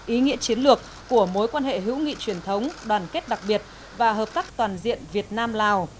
ý nghĩa chiến lược của mối quan hệ hữu nghị truyền thống đoàn kết đặc biệt và hợp tác toàn diện việt nam lào